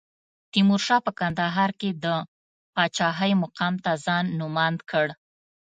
تیمورشاه په کندهار کې د پاچاهۍ مقام ته ځان نوماند کړ.